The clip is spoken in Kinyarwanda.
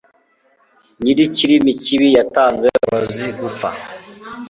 Nyir'ikirimi kibiyatanze umurozi gupfa